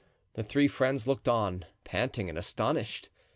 The three friends looked on, panting and astonished.